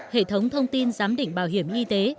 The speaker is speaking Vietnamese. hệ thống thông tin giám định bảo hiểm y tế